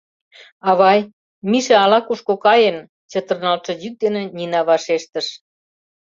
— Авай, Миша ала-кушко каен, — чытырналтше йӱк дене Нина вашештыш.